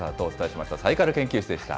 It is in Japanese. お伝えしました。